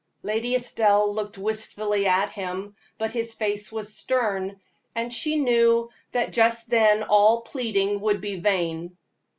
Lady Estelle looked wistfully at him; but his face was stern, and she knew that just then all pleading would be vain.